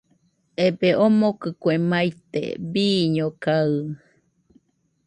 Ebee, omokɨ kue maite, bɨñokaɨɨɨ